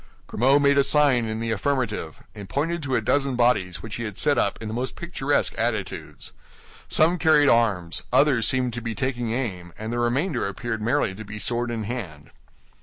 Grimaud made a sign in the affirmative, and pointed to a dozen bodies which he had set up in the most picturesque attitudes. Some carried arms, others seemed to be taking aim, and the remainder appeared merely to be sword in hand.